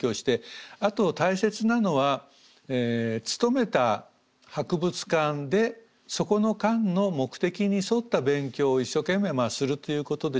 あと大切なのは勤めた博物館でそこの館の目的に沿った勉強を一生懸命するということでしょうね。